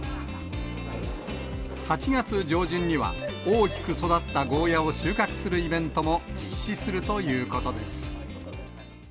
８月上旬には、大きく育ったゴーヤを収穫するイベントも実施するということです。